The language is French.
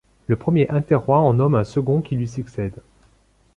Le premier interroi en nomme un second qui lui succède.